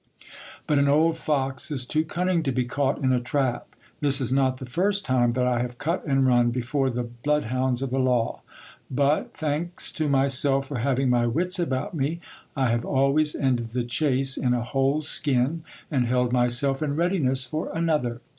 But an old fox is too cunning to be caught in £ trap. This is not the first time that I have cut and run before the blood l.ounds of the law. But, thanks to myself for having my wits about me, I have chvays ended the chase in a whole skin, and held myself in readiness for cnother.